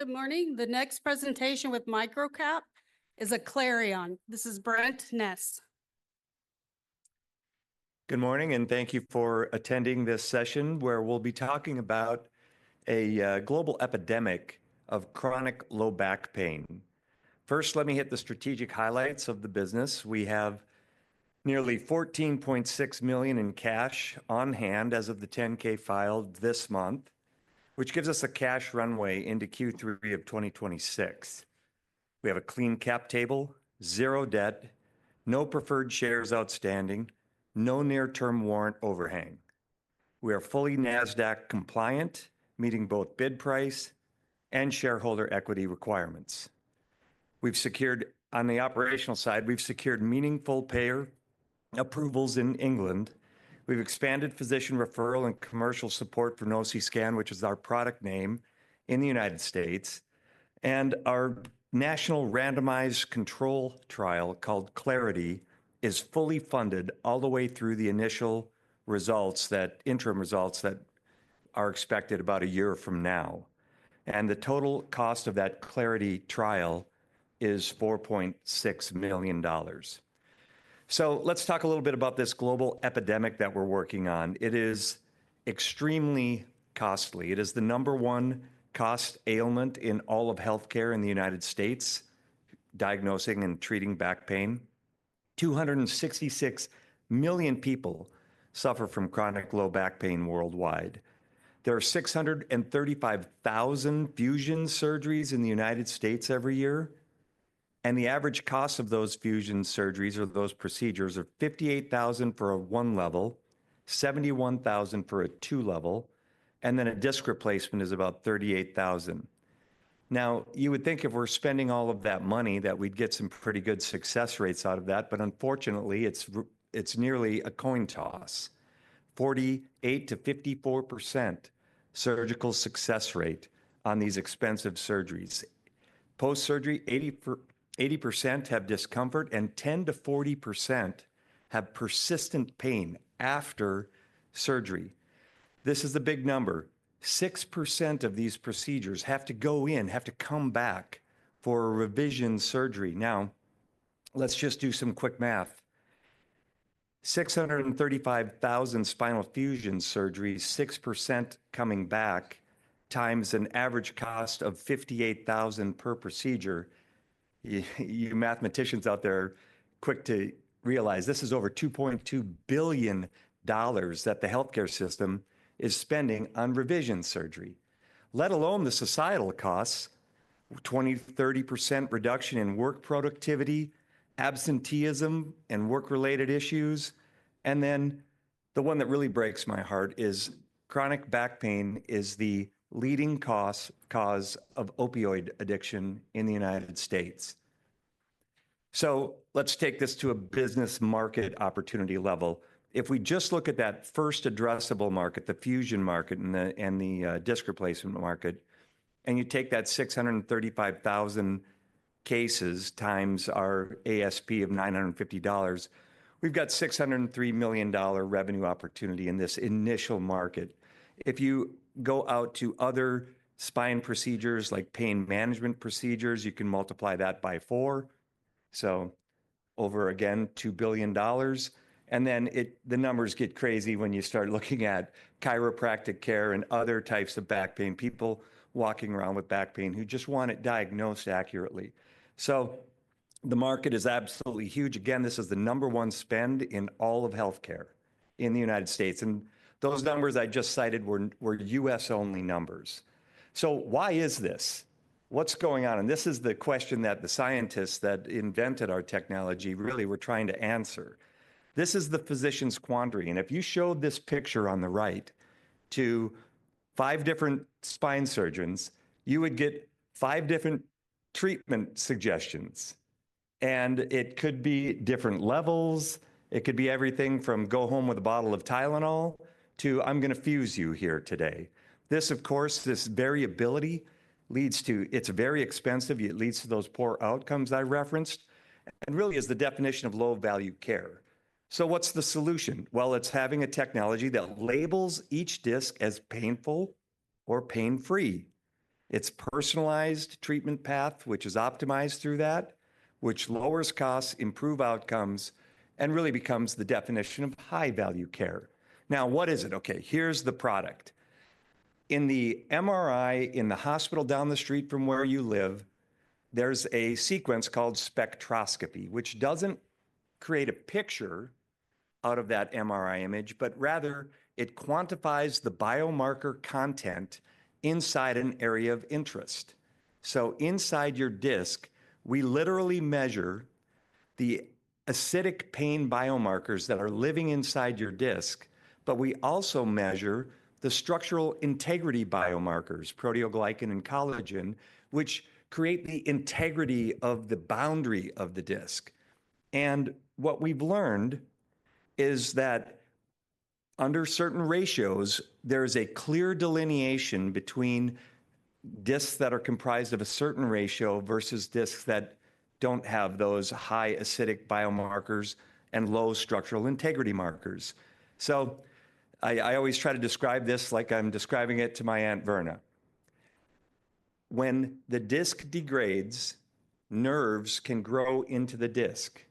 Good morning. The Next Presentation with MicroCap is Aclarion. This is Brent Ness. Good morning, and thank you for attending this session where we'll be talking about a global epidemic of chronic low back pain. First, let me hit the strategic highlights of the business. We have nearly $14.6 million in cash on hand as of the 10-K filed this month, which gives us a cash runway into Q3 of 2026. We have a clean cap table, zero debt, no preferred shares outstanding, no near-term warrant overhang. We are fully NASDAQ compliant, meeting both bid price and shareholder equity requirements. On the operational side, we've secured meaningful payer approvals in England. We've expanded physician referral and commercial support for Nociscan, which is our product name in the United States. Our national randomized control trial called CLARITY is fully funded all the way through the initial results, that interim results that are expected about a year from now. The total cost of that CLARITY trial is $4.6 million. Let's talk a little bit about this global epidemic that we're working on. It is extremely costly. It is the number one cost ailment in all of healthcare in the United States, diagnosing and treating back pain. 266 million people suffer from chronic low back pain worldwide. There are 635,000 fusion surgeries in the United States every year. The average cost of those fusion surgeries or those procedures is $58,000 for a one level, $71,000 for a two level, and then a disc replacement is about $38,000. Now, you would think if we're spending all of that money that we'd get some pretty good success rates out of that, but unfortunately, it's nearly a coin toss: 48%-54% surgical success rate on these expensive surgeries. Post-surgery, 80% have discomfort, and 10%-40% have persistent pain after surgery. This is the big number. 6% of these procedures have to go in, have to come back for a revision surgery. Now, let's just do some quick math. 635,000 spinal fusion surgeries, 6% coming back times an average cost of $58,000 per procedure. You mathematicians out there are quick to realize this is over $2.2 billion that the healthcare system is spending on revision surgery, let alone the societal costs: 20%-30% reduction in work productivity, absenteeism, and work-related issues. The one that really breaks my heart is chronic back pain is the leading cause of opioid addiction in the United States. Let's take this to a business market opportunity level. If we just look at that first addressable market, the fusion market and the disc replacement market, and you take that 635,000 cases times our ASP of $950, we've got $603 million revenue opportunity in this initial market. If you go out to other spine procedures, like pain management procedures, you can multiply that by four. Over, again, $2 billion. The numbers get crazy when you start looking at chiropractic care and other types of back pain, people walking around with back pain who just want it diagnosed accurately. The market is absolutely huge. This is the number one spend in all of healthcare in the United States. Those numbers I just cited were U.S.-only numbers. Why is this? What's going on? This is the question that the scientists that invented our technology really were trying to answer. This is the physician's quandary. If you showed this picture on the right to five different spine surgeons, you would get five different treatment suggestions. It could be different levels. It could be everything from go home with a bottle of Tylenol to I'm going to fuse you here today. This variability leads to it's very expensive. It leads to those poor outcomes I referenced, and really is the definition of low-value care. What's the solution? It's having a technology that labels each disc as painful or pain-free. It's a personalized treatment path, which is optimized through that, which lowers costs, improves outcomes, and really becomes the definition of high-value care. Now, what is it? Here's the product. In the MRI in the hospital down the street from where you live, there's a sequence called spectroscopy, which doesn't create a picture out of that MRI image, but rather it quantifies the biomarker content inside an area of interest. Inside your disc, we literally measure the acidic pain biomarkers that are living inside your disc, but we also measure the structural integrity biomarkers, proteoglycan and collagen, which create the integrity of the boundary of the disc. What we've learned is that under certain ratios, there is a clear delineation between discs that are comprised of a certain ratio versus discs that don't have those high acidic biomarkers and low structural integrity markers. I always try to describe this like I'm describing it to my aunt Verna. When the disc degrades, nerves can grow into the disc.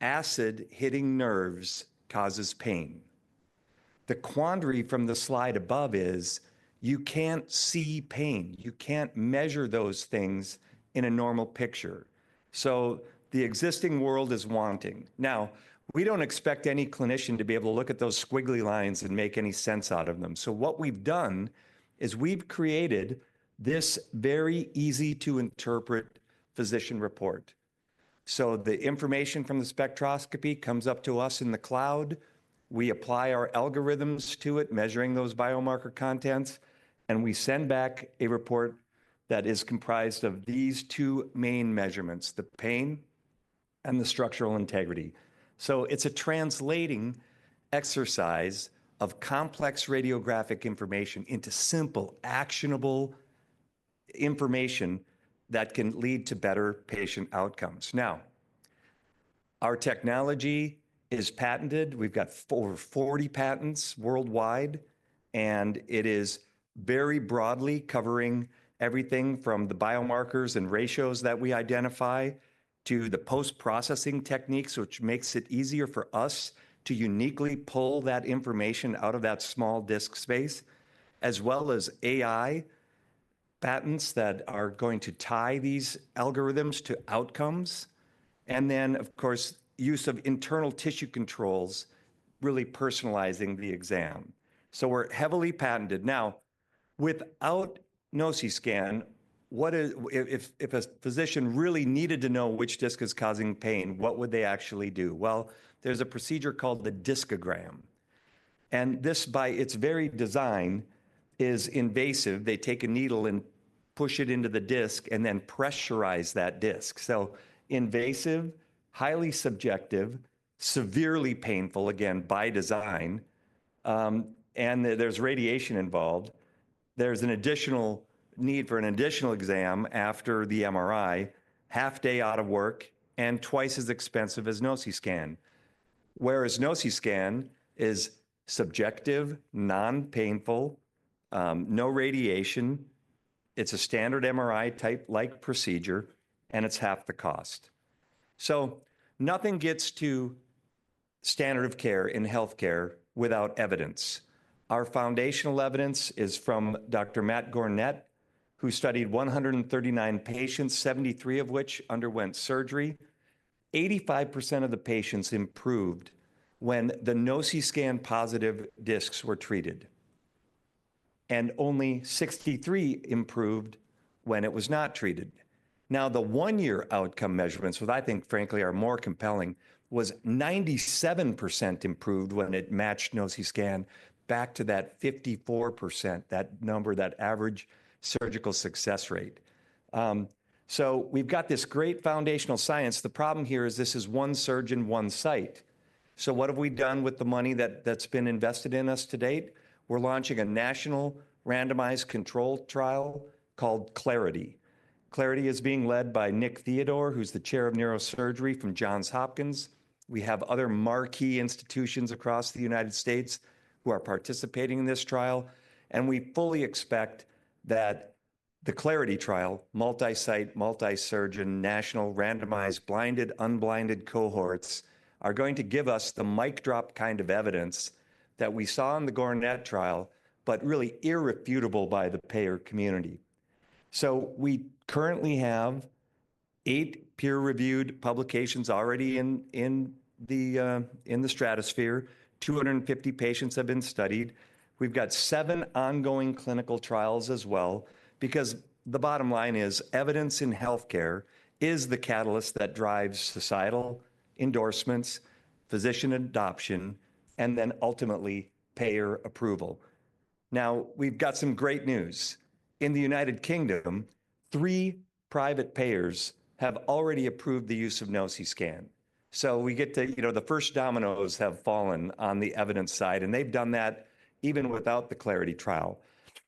Acid hitting nerves causes pain. The quandary from the slide above is you can't see pain. You can't measure those things in a normal picture. The existing world is wanting. Now, we don't expect any clinician to be able to look at those squiggly lines and make any sense out of them. What we've done is we've created this very easy-to-interpret physician report. The information from the spectroscopy comes up to us in the cloud. We apply our algorithms to it, measuring those biomarker contents, and we send back a report that is comprised of these two main measurements, the pain and the structural integrity. It's a translating exercise of complex radiographic information into simple, actionable information that can lead to better patient outcomes. Our technology is patented. We've got over 40 patents worldwide, and it is very broadly covering everything from the biomarkers and ratios that we identify to the post-processing techniques, which makes it easier for us to uniquely pull that information out of that small disc space, as well as AI patents that are going to tie these algorithms to outcomes. Of course, use of internal tissue controls, really personalizing the exam. We're heavily patented. Now, without NOCISCAN, if a physician really needed to know which disc is causing pain, what would they actually do? There's a procedure called the discogram. This, by its very design, is invasive. They take a needle and push it into the disc and then pressurize that disc. Invasive, highly subjective, severely painful, again, by design. There's radiation involved. There's an additional need for an additional exam after the MRI, half day out of work, and twice as expensive as NOCISCAN, whereas NOCISCAN is subjective, non-painful, no radiation. It's a standard MRI-type-like procedure, and it's half the cost. Nothing gets to standard of care in healthcare without evidence. Our foundational evidence is from Dr. Matt Gornet, who studied 139 patients, 73 of which underwent surgery. 85% of the patients improved when the NOCISCAN-positive discs were treated, and only 63 improved when it was not treated. Now, the one-year outcome measurements, which I think, frankly, are more compelling, was 97% improved when it matched NOCISCAN back to that 54%, that number, that average surgical success rate. We've got this great foundational science. The problem here is this is one surgeon, one site. What have we done with the money that's been invested in us to date? We're launching a national randomized control trial called CLARITY. CLARITY is being led by Nick Theodore, who's the chair of neurosurgery from Johns Hopkins. We have other marquee institutions across the United States who are participating in this trial. We fully expect that the CLARITY trial, multi-site, multi-surgeon, national randomized blinded, unblinded cohorts, are going to give us the mic drop kind of evidence that we saw in the GARNET trial, but really irrefutable by the payer community. We currently have eight peer-reviewed publications already in the stratosphere. 250 patients have been studied. We've got seven ongoing clinical trials as well, because the bottom line is evidence in healthcare is the catalyst that drives societal endorsements, physician adoption, and then ultimately payer approval. Now, we've got some great news. In the United Kingdom, three private payers have already approved the use of NOCISCAN. We get to, you know, the first dominoes have fallen on the evidence side, and they've done that even without the CLARITY trial.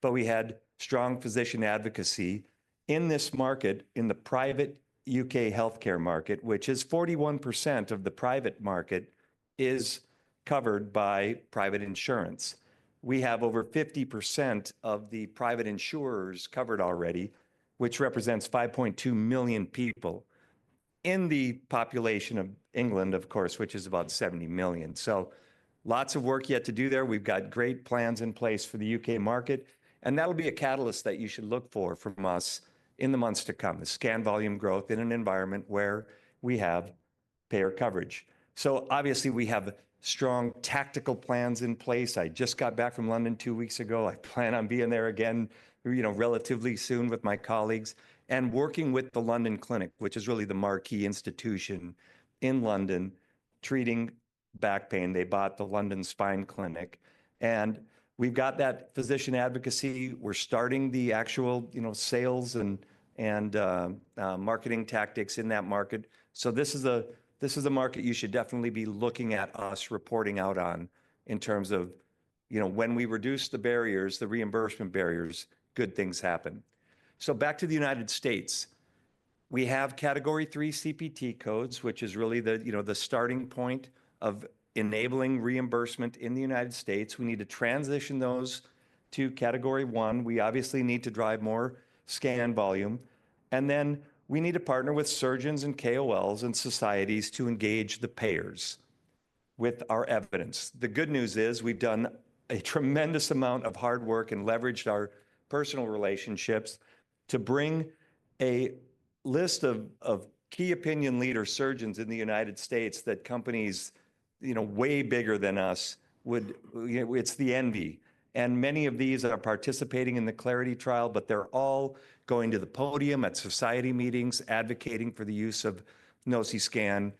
We had strong physician advocacy in this market, in the private U.K. healthcare market, which is 41% of the private market is covered by private insurance. We have over 50% of the private insurers covered already, which represents 5.2 million people in the population of England, of course, which is about 70 million. Lots of work yet to do there. We've got great plans in place for the U.K. market, and that'll be a catalyst that you should look for from us in the months to come, the scan volume growth in an environment where we have payer coverage. Obviously, we have strong tactical plans in place. I just got back from London two weeks ago. I plan on being there again, you know, relatively soon with my colleagues and working with the London Clinic, which is really the marquee institution in London treating back pain. They bought the London Spine Clinic. And we've got that physician advocacy. We're starting the actual, you know, sales and marketing tactics in that market. This is a market you should definitely be looking at us reporting out on in terms of, you know, when we reduce the barriers, the reimbursement barriers, good things happen. Back to the United States. We have Category III CPT codes, which is really the, you know, the starting point of enabling reimbursement in the United States. We need to transition those to category I. We obviously need to drive more scan volume. Then we need to partner with surgeons and KOLs and societies to engage the payers with our evidence. The good news is we've done a tremendous amount of hard work and leveraged our personal relationships to bring a list of key opinion leader surgeons in the United States that companies, you know, way bigger than us would, you know, it's the envy. Many of these are participating in the CLARITY trial, but they're all going to the podium at society meetings advocating for the use of NOCISCAN,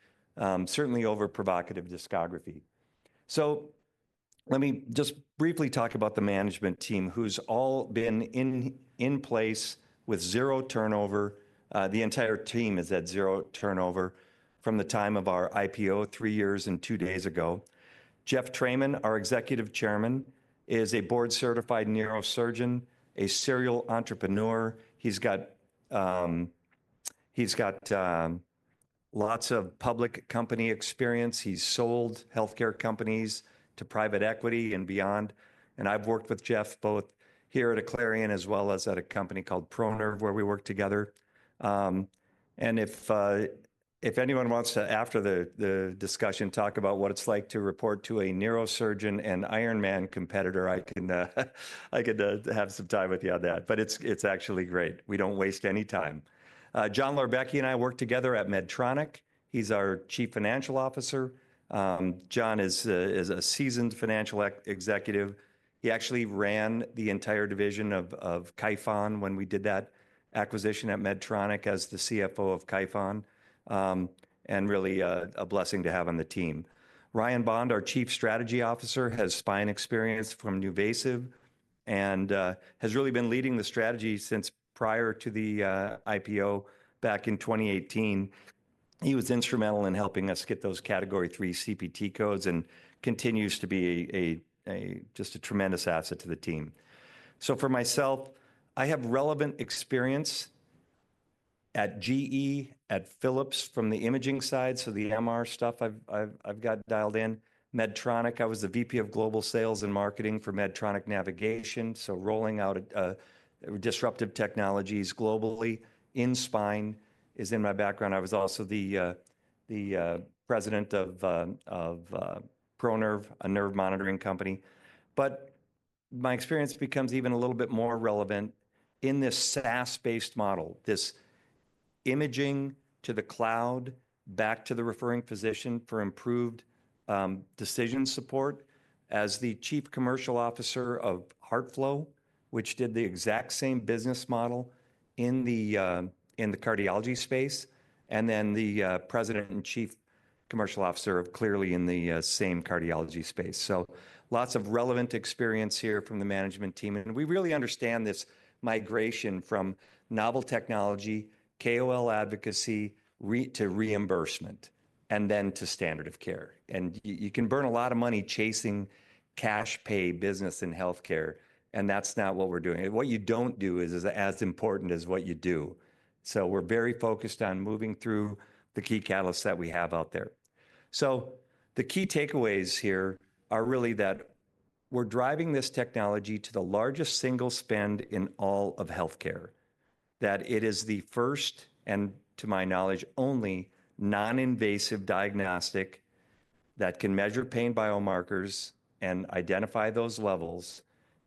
certainly over provocative discography. Let me just briefly talk about the management team, who's all been in place with zero turnover. The entire team is at zero turnover from the time of our IPO three years and two days ago. Jeff Thramann, our Executive Chairman, is a board-certified neurosurgeon, a serial entrepreneur. He's got lots of public company experience. He's sold healthcare companies to private equity and beyond. I've worked with Jeff both here at Aclarion as well as at a company called ProNerve, where we worked together. If anyone wants to, after the discussion, talk about what it's like to report to a neurosurgeon and Ironman competitor, I could have some time with you on that. It's actually great. We don't waste any time. John Lorbiecki and I worked together at Medtronic. He's our Chief Financial Officer. John is a seasoned financial executive. He actually ran the entire division of Kyphon when we did that acquisition at Medtronic as the CFO of Kyphon. It's really a blessing to have on the team. Ryan Bond, our Chief Strategy Officer, has spine experience from NuVasive and has really been leading the strategy since prior to the IPO back in 2018. He was instrumental in helping us get those Category III CPT codes and continues to be just a tremendous asset to the team. For myself, I have relevant experience at GE, at Philips from the imaging side. The MR stuff I've got dialed in. Medtronic, I was the VP of global sales and marketing for Medtronic Navigation. Rolling out disruptive technologies globally in spine is in my background. I was also the president of ProNerve, a nerve monitoring company. My experience becomes even a little bit more relevant in this SaaS-based model, this imaging to the cloud, back to the referring physician for improved decision support as the Chief Commercial Officer of HeartFlow, which did the exact same business model in the cardiology space, and then the president and Chief Commercial Officer of Cleerly in the same cardiology space. Lots of relevant experience here from the management team. We really understand this migration from novel technology, KOL advocacy to reimbursement, and then to standard of care. You can burn a lot of money chasing cash pay business in healthcare. That is not what we're doing. What you don't do is as important as what you do. We're very focused on moving through the key catalysts that we have out there. The key takeaways here are really that we're driving this technology to the largest single spend in all of healthcare, that it is the first and, to my knowledge, only non-invasive diagnostic that can measure pain biomarkers and identify those levels.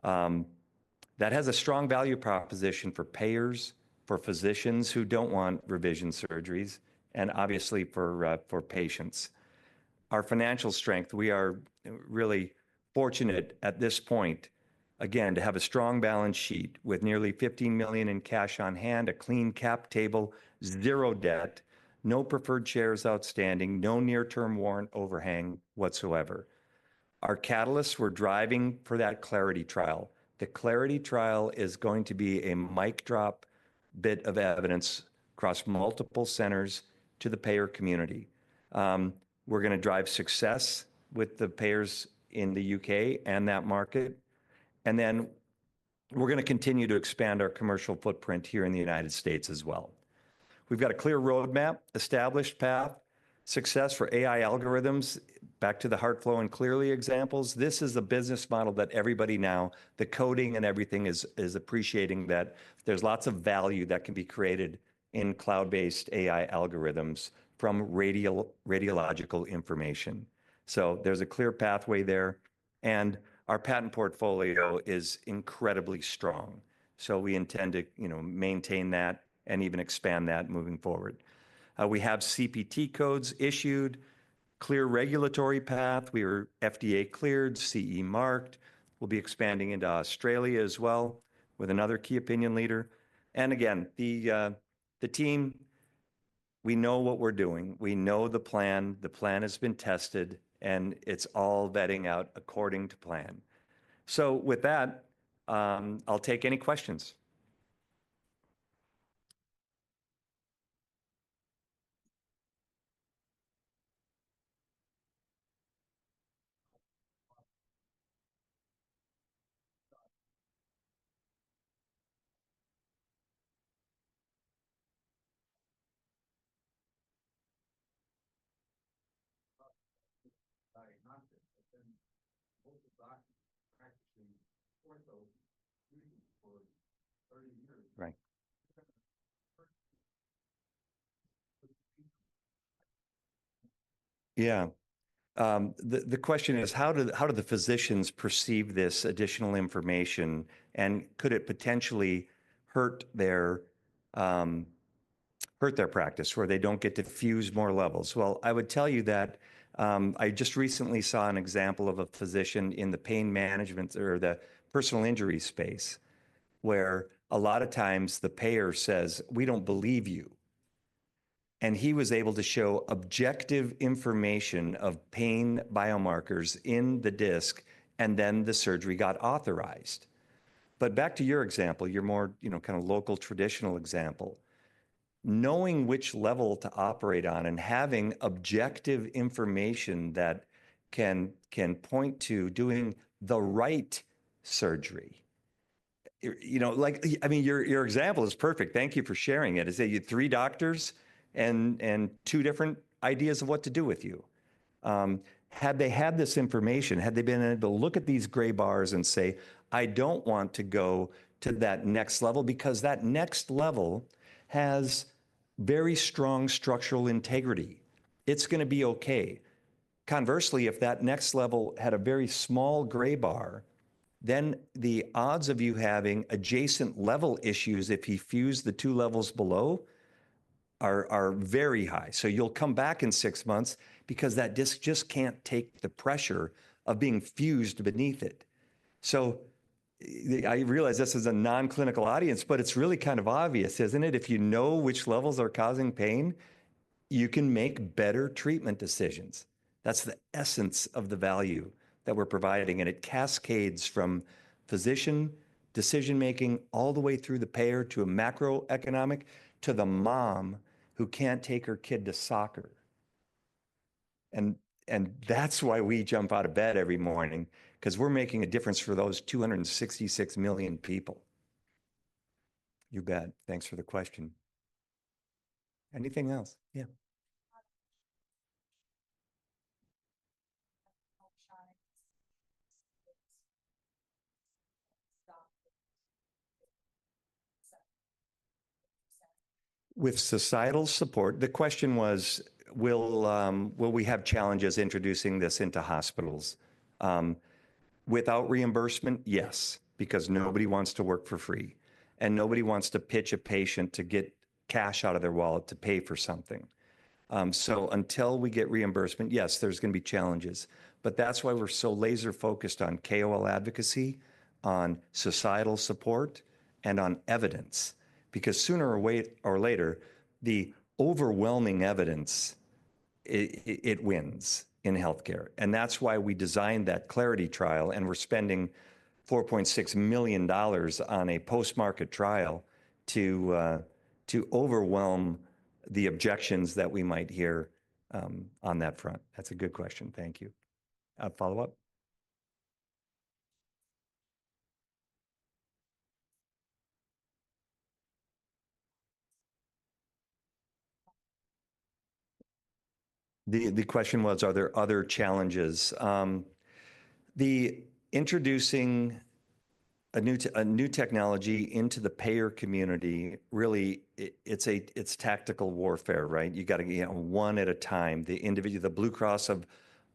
That has a strong value proposition for payers, for physicians who don't want revision surgeries, and obviously for patients. Our financial strength, we are really fortunate at this point, again, to have a strong balance sheet with nearly $15 million in cash on hand, a clean cap table, zero debt, no preferred shares outstanding, no near-term warrant overhang whatsoever. Our catalysts were driving for that CLARITY trial. The CLARITY trial is going to be a mic drop bit of evidence across multiple centers to the payer community. We are going to drive success with the payers in the U.K. and that market. We are going to continue to expand our commercial footprint here in the United States as well. We have got a clear roadmap, established path, success for AI algorithms, back to the HeartFlow and Cleerly examples. This is a business model that everybody now, the coding and everything, is appreciating that there is lots of value that can be created in cloud-based AI algorithms from radiological information. There is a clear pathway there. Our patent portfolio is incredibly strong. We intend to, you know, maintain that and even expand that moving forward. We have CPT codes issued, clear regulatory path. We are FDA cleared, CE marked. We will be expanding into Australia as well with another key opinion leader. Again, the team, we know what we are doing. We know the plan. The plan has been tested, and it is all vetting out according to plan. With that, I will take any questions. Yeah. The question is, how do the physicians perceive this additional information? And could it potentially hurt their practice where they do not get to fuse more levels? I would tell you that I just recently saw an example of a physician in the pain management or the personal injury space, where a lot of times the payer says, "We don't believe you." He was able to show objective information of pain biomarkers in the disc, and then the surgery got authorized. Back to your example, your more, you know, kind of local traditional example, knowing which level to operate on and having objective information that can point to doing the right surgery. You know, like, I mean, your example is perfect. Thank you for sharing it. I say you three doctors and two different ideas of what to do with you. Had they had this information, had they been able to look at these gray bars and say, "I don't want to go to that next level because that next level has very strong structural integrity. It's going to be okay." Conversely, if that next level had a very small gray bar, then the odds of you having adjacent level issues if you fuse the two levels below are very high. You will come back in six months because that disc just can't take the pressure of being fused beneath it. I realize this is a non-clinical audience, but it's really kind of obvious, isn't it? If you know which levels are causing pain, you can make better treatment decisions. That's the essence of the value that we're providing. It cascades from physician decision-making all the way through the payer to a macroeconomic to the mom who can't take her kid to soccer. That is why we jump out of bed every morning, because we're making a difference for those 266 million people. You bet. Thanks for the question. Anything else? Yeah. With societal support, the question was, will we have challenges introducing this into hospitals? Without reimbursement, yes, because nobody wants to work for free. Nobody wants to pitch a patient to get cash out of their wallet to pay for something. Until we get reimbursement, yes, there's going to be challenges. That is why we're so laser-focused on KOL advocacy, on societal support, and on evidence, because sooner or later, the overwhelming evidence, it wins in healthcare. That is why we designed that CLARITY trial. We're spending $4.6 million on a post-market trial to overwhelm the objections that we might hear on that front. That's a good question. Thank you. Follow up. The question was, are there other challenges? Introducing a new technology into the payer community, really, it's tactical warfare, right? You got to get one at a time. The Blue Cross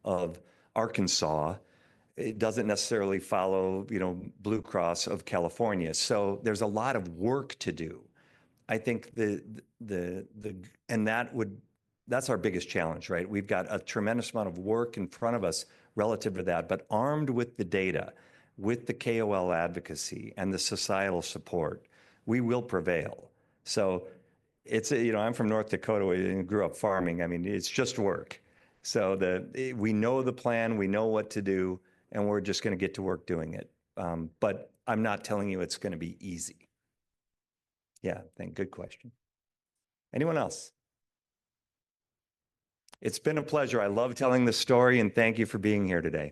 of Arkansas doesn't necessarily follow, you know, Blue Cross of California. There's a lot of work to do. I think that's our biggest challenge, right? We've got a tremendous amount of work in front of us relative to that. Armed with the data, with the KOL advocacy and the societal support, we will prevail. You know, I'm from North Dakota. We grew up farming. I mean, it's just work. We know the plan. We know what to do. We're just going to get to work doing it. I'm not telling you it's going to be easy. Yeah. Thank you. Good question. Anyone else? It's been a pleasure. I love telling the story. Thank you for being here today.